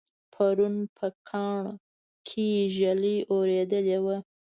پرون په کاڼ کې ږلۍ اورېدلې وه